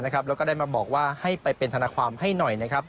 แล้วก็ได้มาบอกว่าให้ไปเป็นธนความให้หน่อย